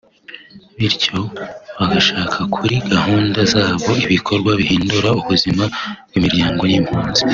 bityo bagashaka muri gahunda zabo ibikorwa bihindura ubuzima bw’imiryango y’impunzi